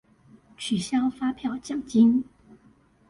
取消發票獎金